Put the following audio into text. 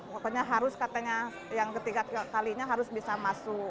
pokoknya harus katanya yang ketiga kalinya harus bisa masuk